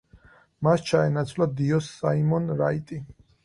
მას ჩაენაცვლა დიოს საიმონ რაიტი.